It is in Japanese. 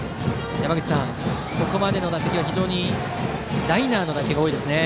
山口さん、ここまでの打席はライナーの打球が多いですね。